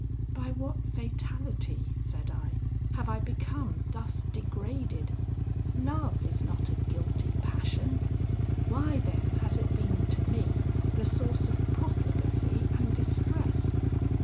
'By what fatality,' said I, 'have I become thus degraded? Love is not a guilty passion! why then has it been to me the source of profligacy and distress?